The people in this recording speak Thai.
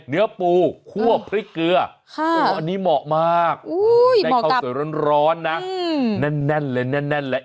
เนื้อปูคั่วพริกเกลืออันนี้เหมาะมากได้ข้าวสวยร้อนนะแน่นเลยแน่นเลย